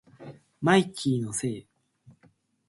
マイキーのせい